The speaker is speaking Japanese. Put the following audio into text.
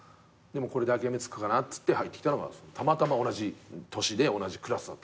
これで諦めつくかなっつって入ってきたのがたまたま同じ年で同じクラスだったっていう。